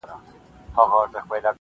جنازو پكښي اوډلي دي كورونه-